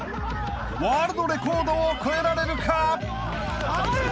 ［ワールドレコードを超えられるか？］